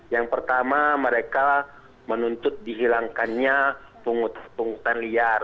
yang pertama mereka menuntut dihilangkannya pungutan pungutan liar